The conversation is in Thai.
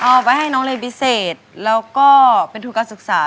เอาไปให้น้องเรียนพิเศษแล้วก็เป็นทุนการศึกษา